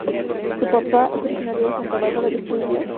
Su papá es originario de Santa Bárbara del Zulia, y su madre de Trujillo.